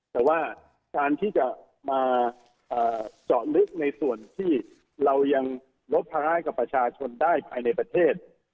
แต่ว่าการที่จะมาเจาะลึกในส่วนที่เรายังลบภาให้กับประชาชนได้ภายในประเทศ